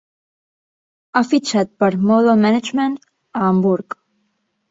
Ha fitxat per Model Management a Hamburg.